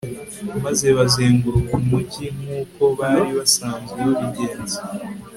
maze bazenguruka umugi nk'uko bari basanzwe babigenza